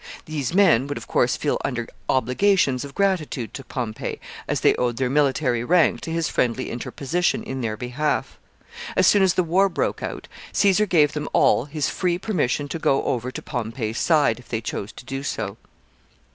These men would, of course, feel under obligations of gratitude to Pompey, as they owed their military rank to his friendly interposition in their behalf. As soon as the war broke out, Caesar gave them all his free permission to go over to Pompey's side, if they chose to do so. [Sidenote: Modern politicians.